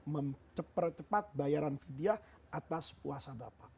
mempercepat bayaran vidyah atas puasa bapak